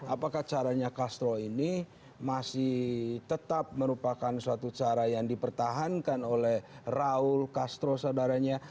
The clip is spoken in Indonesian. apakah caranya castro ini masih tetap merupakan suatu cara yang dipertahankan oleh raul castro saudaranya